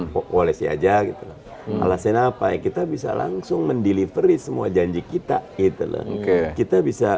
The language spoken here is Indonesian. boleh saja alasan apa kita bisa langsung mendeliveri semua janji kita itu kita bisa